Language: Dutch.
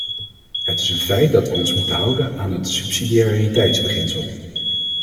Het is een feit dat we ons moeten houden aan het subsidiariteitsbeginsel.